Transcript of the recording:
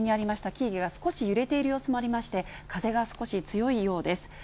木々が少し揺れている様子もありまして、風が少し強いようです。